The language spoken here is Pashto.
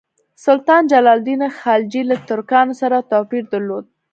سلطان جلال الدین خلجي له ترکانو سره توپیر درلود.